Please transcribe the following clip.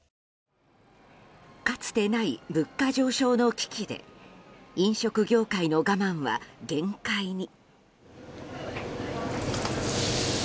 かつてない物価上昇の危機で飲食業界の我慢は限界に。